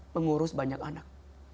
mengurus banyak anak